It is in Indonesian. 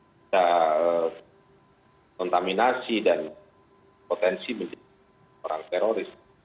bisa kontaminasi dan potensi menjadi orang teroris